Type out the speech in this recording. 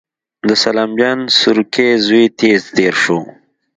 د سلام جان سورکی زوی تېز تېر شو.